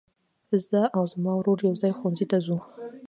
زه او زما ورور يوځای ښوونځي ته ځو.